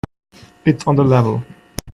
It's on the level.